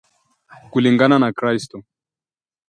kulingana na Crystal